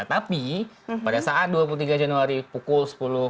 tapi pada saat dua puluh tiga januari pukul sepuluh